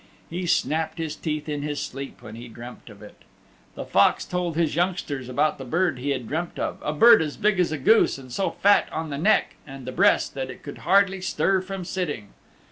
He snapped his teeth in his sleep when he dreamt of it. The Fox told his youngsters about the bird he had dreamt of a bird as big as a goose and so fat on the neck and the breast that it could hardly stir from sitting.